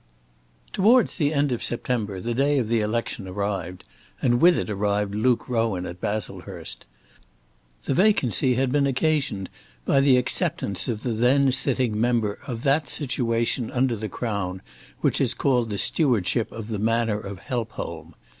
Towards the end of September the day of the election arrived, and with it arrived Luke Rowan at Baslehurst. The vacancy had been occasioned by the acceptance of the then sitting member of that situation under the crown which is called the stewardship of the manor of Helpholme.